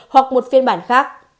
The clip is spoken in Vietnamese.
hoặc một phiên bản khác